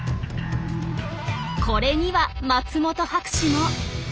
これには松本博士も。